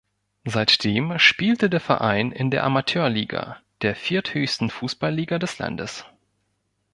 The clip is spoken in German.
Seitdem spielte der Verein in der Amateurliga, der vierthöchsten Fußballliga des Landes.